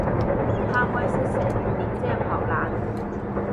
貪威識食，練精學懶